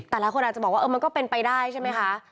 แต่หลายคนอาจจะบอกว่ามันก็เป็นไปได้ใช่ไหมคะ